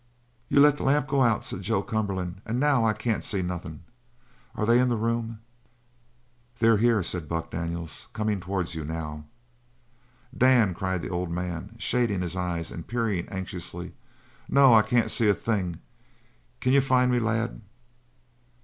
"You let the lamp go out," said Joe Cumberland, "and now I can't see nothing. Are they in the room?" "They're here," said Buck Daniels, "comin' towards you now." "Dan!" cried the old man, shading his eyes and peering anxiously "no, I can't see a thing. Can you find me, lad?"